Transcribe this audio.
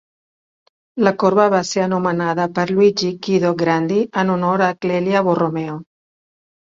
La corba va ser anomenada per Luigi Guido Grandi en honor a Clelia Borromeo.